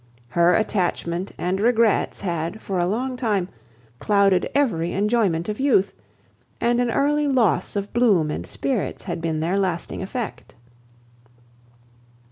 Her attachment and regrets had, for a long time, clouded every enjoyment of youth, and an early loss of bloom and spirits had been their lasting effect.